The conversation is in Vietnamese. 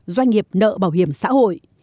doanh nghiệp nợ bảo hiểm xã hội